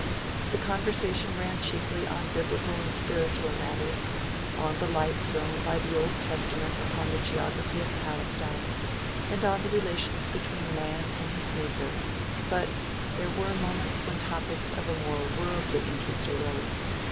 The conversation ran chiefly on Biblical and spiritual matters on the light thrown by the Old Testament upon the geography of Palestine, and on the relations between man and his Maker; but, there were moments when topics of a more worldly interest arose.